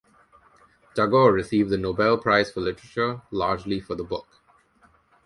Tagore received the Nobel Prize for Literature, largely for the book.